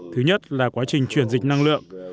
thứ nhất là quá trình chuyển dịch năng lượng